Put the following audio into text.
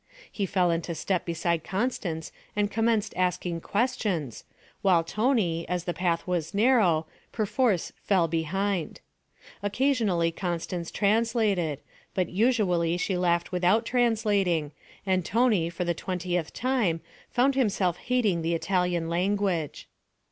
He fell into step beside Constance and commenced asking questions, while Tony, as the path was narrow, perforce fell behind. Occasionally Constance translated, but usually she laughed without translating, and Tony, for the twentieth time, found himself hating the Italian language.